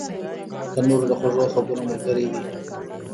تنور د خوږو خبرو ملګری دی